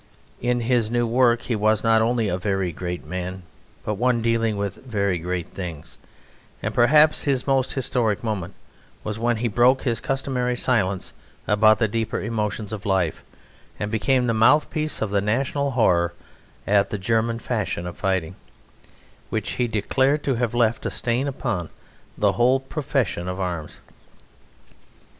In his new work he was not only a very great man, but one dealing with very great things; and perhaps his most historic moment was when he broke his customary silence about the deeper emotions of life, and became the mouthpiece of the national horror at the German fashion of fighting, which he declared to have left a stain upon the whole profession of arms.